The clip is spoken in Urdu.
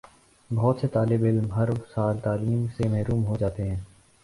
بہت سے طالب علم ہر سال تعلیم سے محروم ہو جاتے ہیں